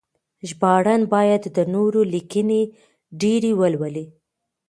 ژباړن باید د نورو لیکنې ډېرې ولولي.